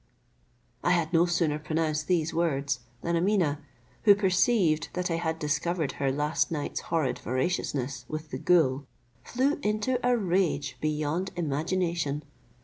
I had no sooner pronounced these words than Ameeneh, who perceived that I had discovered her last night's horrid voraciousness with the ghoul, flew into a rage beyond imagination.